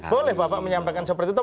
boleh bapak menyampaikan seperti itu